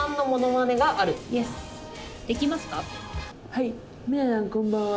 「はい皆さんこんばんは。